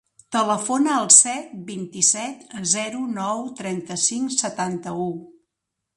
Telefona al set, vint-i-set, zero, nou, trenta-cinc, setanta-u.